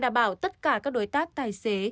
đảm bảo tất cả các đối tác tài xế